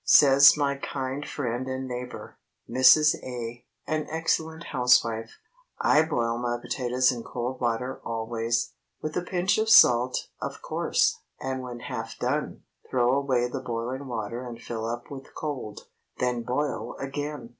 Says my kind friend and neighbor, Mrs. A., an excellent housewife—"I boil my potatoes in cold water always—with a pinch of salt, of course, and when half done, throw away the boiling water and fill up with cold, then boil again.